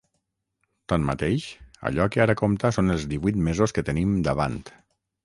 Tanmateix, allò que ara compta són els divuit mesos que tenim davant.